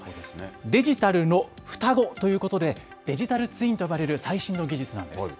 デジタルの双子ということで、デジタルツインと呼ばれる最新の技術なんです。